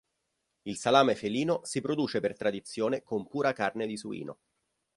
Il salame Felino si produce per tradizione con pura carne di suino.